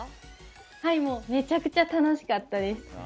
めちゃくちゃ楽しかったです。